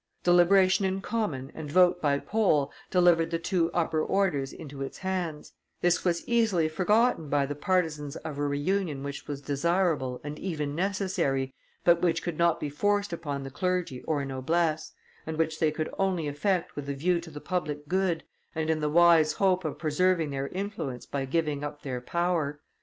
Deliberation in common and vote by poll delivered the two upper orders into its hands; this was easily forgotten by the partisans of a reunion which was desirable and even necessary, but which could not be forced upon the clergy or noblesse, and which they could only effect with a view to the public good and in the wise hope of preserving their influence by giving up their power.